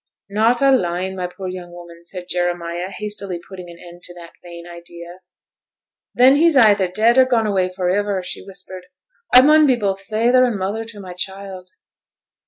'Not a line, my poor young woman!' said Jeremiah, hastily putting an end to that vain idea. 'Then he's either dead or gone away for iver,' she whispered. 'I mun be both feyther and mother to my child.'